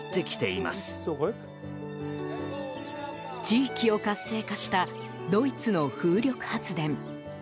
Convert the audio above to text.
地域を活性化したドイツの風力発電。